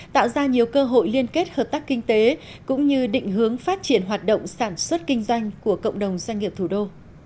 tạo ra nhiều cơ hội liên kết hợp tác kinh tế cũng như định hướng phát triển hoạt động sản xuất kinh doanh của cộng đồng doanh nghiệp thủ đô